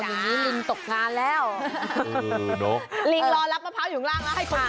อย่างนี้ลินตกงานแล้วลินรอรับมะพร้าวหยุงล่างแล้วให้เข้ากิน